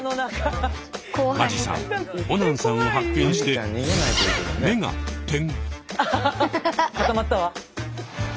間地さんオナンさんを発見して目が点。